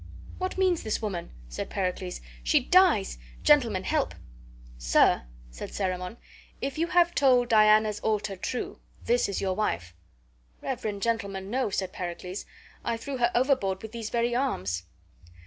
"What means this woman?" said Pericles. "She dies! Gentlemen, help." "Sir," said Cerimon, "if you have told Diana's altar true, this is your wife." "Reverend gentleman, no," said Pericles. "I threw her overboard with these very arms."